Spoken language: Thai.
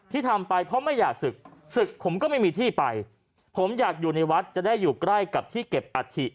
ทำไปเพราะไม่อยากศึกศึกผมก็ไม่มีที่ไปผมอยากอยู่ในวัดจะได้อยู่ใกล้กับที่เก็บอัฐิ